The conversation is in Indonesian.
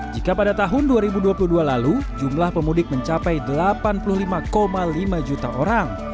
jika pada tahun dua ribu dua puluh dua lalu jumlah pemudik mencapai delapan puluh lima lima juta orang